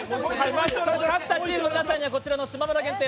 まず勝ったチームの皆さんには、こちらのしまむら限定